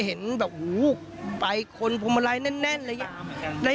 ได้เห็นแบบโอ้โฮไปคนพรหมะไลน์แน่นอะไรอย่างนี้